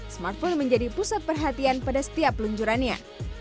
smartphone menjadi pusat perhatian pada setiap peluncurannya